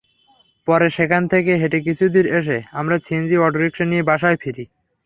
পরে সেখান থেকে হেঁটে কিছুদূর এসে আমরা সিএনজি অটোরিকশা নিয়ে বাসায় ফিরি।